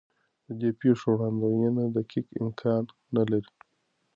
د دې پېښو وړاندوینه دقیق امکان نه لري.